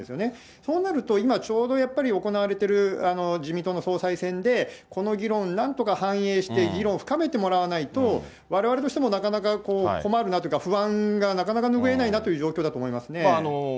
そうなると、今、ちょうど行われている自民党の総裁選でこの議論をなんとか反映して、議論を深めてもらわないと、われわれとしてもなかなか、困るなというか、不安がなかなか拭えないなという状況だと思いますね。